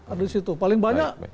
ada disitu paling banyak